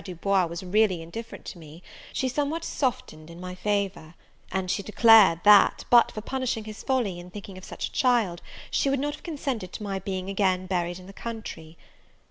Du Bois was really indifferent to me, she somewhat softened in my favour; and declared, that, but for punishing his folly in thinking of such a child, she would not have consented to my being again buried in the country.